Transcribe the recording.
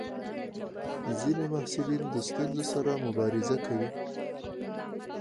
ځینې محصلین د ستونزو سره مبارزه کوي.